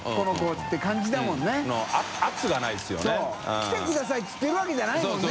来てください」って言ってるわけじゃないもんね。